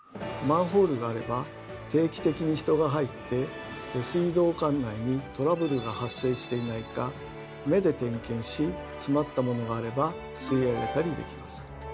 マンホールがあれば定期的に人が入って下水道管内にトラブルが発生していないか目で点検し詰まったものがあれば吸い上げたりできます。